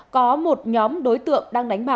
có một nhóm đối tượng đang đánh bạc